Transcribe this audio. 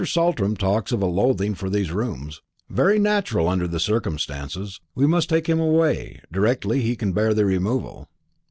Saltram talks of a loathing for these rooms; very natural under the circumstances. We must take him away directly he can bear the removal."